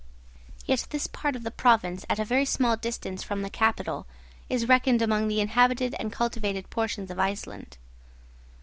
Yet this part of the province, at a very small distance from the capital, is reckoned among the inhabited and cultivated portions of Iceland.